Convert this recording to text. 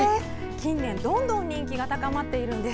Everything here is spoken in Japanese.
近年、どんどん人気が高まっているんです。